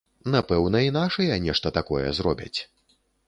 Напэўна, і нашыя нешта такое зробяць.